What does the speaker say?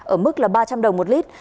ở mức ba trăm linh đồng một lit